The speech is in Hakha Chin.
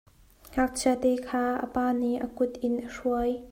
Ngakchia te kha a pa nih a kut in a hruai.